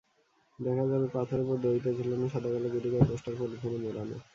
দেখা যাবে পথের ওপর দড়িতে ঝোলানো সাদাকালো গুটিকয় পোস্টার পলিথিনে মোড়ানো।